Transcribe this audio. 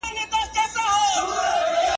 چنداني چا سیالي نه ده کړې ,